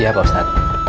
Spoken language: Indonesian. iya pak ustadz